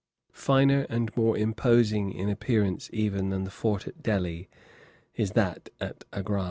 Finer and more imposing in appearance even than the fort at Delhi, is that at Agra.